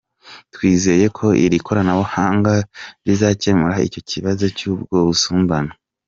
Twizeye ko iri koranabuhanga rizakemura icyo kibazo cy’ubwo busumbane.